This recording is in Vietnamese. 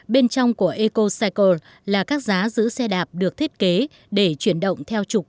bên trong của ecocycle là các giá giữ xe đạp được thiết kế để chuyển động theo trục